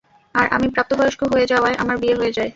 আর আমি প্রাপ্তবয়স্ক হয়ে যাওয়ায় আমার বিয়ে হয়ে যায়।